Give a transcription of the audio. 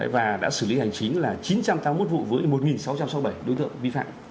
và đã xử lý hành chính là chín trăm tám mươi một vụ với một sáu trăm sáu mươi bảy đối tượng vi phạm